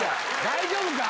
大丈夫か？